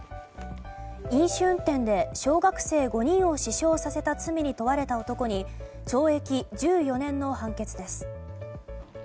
飲酒運転で小学生５人を死傷させた罪に問われた男に懲役１４年の判決です。